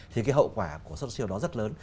thì cái hậu quả của xuất siêu đó rất lớn